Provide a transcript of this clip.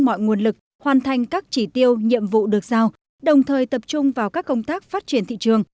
mọi nguồn lực hoàn thành các chỉ tiêu nhiệm vụ được giao đồng thời tập trung vào các công tác phát triển thị trường